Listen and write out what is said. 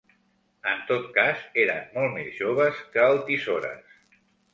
En tot cas, eren molt més joves que el Tisores.